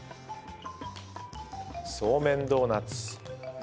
そうめんドーナツ。